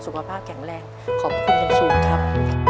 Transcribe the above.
สุขภาพแข็งแรงขอบคุณคุณครับ